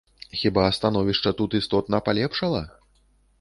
Хіба становішча тут істотна палепшала?